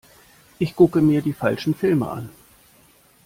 Ich gucke mir die falschen Filme an.